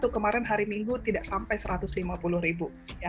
kemarin hari minggu tidak sampai satu ratus lima puluh ribu